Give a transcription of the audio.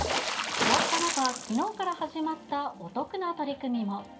こうした中、きのうから始まったお得な取り組みも。